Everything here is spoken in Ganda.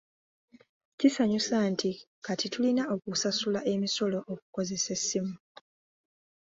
Kisanyusa nti kati tulina okusasula emisolo okukozesa essimu.